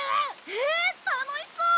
へえ楽しそう！